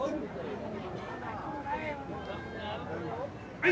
はい！